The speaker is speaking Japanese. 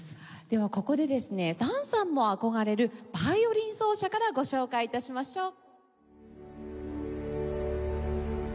ではここでですね檀さんも憧れるヴァイオリン奏者からご紹介致しましょう。